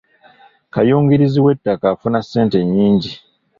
Kayungirizi w'ettaka afuna ssente nnyingi.